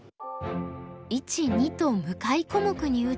１２と向かい小目に打ち